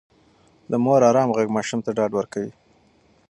د مور ارام غږ ماشوم ته ډاډ ورکوي.